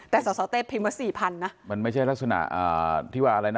แต่สอสอเต้พิมพ์มาสี่พันนะมันไม่ใช่ลักษณะอ่าที่ว่าอะไรนะ